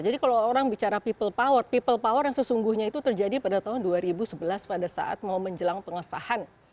jadi kalau orang bicara people power people power yang sesungguhnya itu terjadi pada tahun dua ribu sebelas pada saat mau menjelang pengesahan